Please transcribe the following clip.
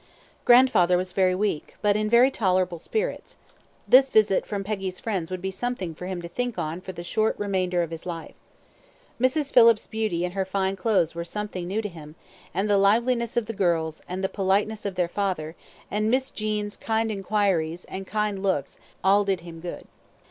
Grandfather was very weak, but in very tolerable spirits; this visit from Peggy's friends would be something for him to think on for the short remainder of his life. Mrs. Phillips's beauty and her fine clothes were something new to him; and the liveliness of the girls, and the politeness of their father, and Miss Jean's kind inquiries and kind looks all did him good.